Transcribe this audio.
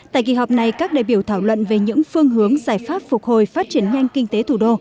tại kỳ họp này các đại biểu thảo luận về những phương hướng giải pháp phục hồi phát triển nhanh kinh tế thủ đô